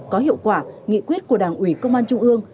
có hiệu quả nghị quyết của đảng ủy công an trung ương